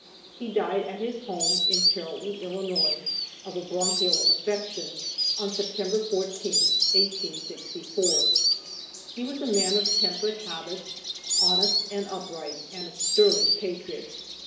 He died at his home, in Carrollton, Illinois, of a bronchial affection, on September 14th, 1864. He was a man of temperate habits, honest and upright, and a sterling patriot.